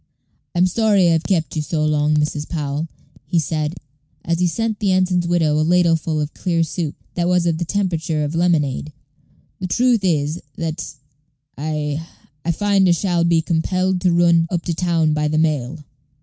"I'm sorry I've kept you so long, Mrs. Powell," he said, as he sent the ensign's widow a ladleful of clear soup, that was of the temperature of lemonade. "The truth is, that I I find I shall be compelled to run up to town by the mail."